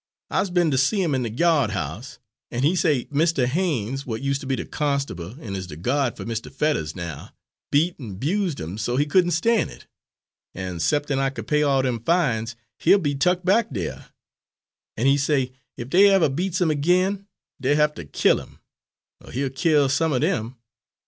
I's be'n ter see 'im in de gyard house, an' he say Mistah Haines, w'at use' ter be de constable and is a gyard fer Mistah Fettuhs now, beat an' 'bused him so he couldn' stan' it; an' 'ceptin' I could pay all dem fines, he'll be tuck back dere; an'he say ef dey evah beats him ag'in, dey'll eithuh haf ter kill him, er he'll kill some er dem.